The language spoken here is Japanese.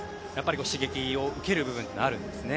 刺激を受ける部分はあるんですね。